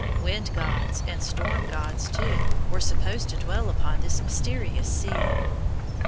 Wind gods and storm gods, too, were supposed to dwell upon this mysterious sea.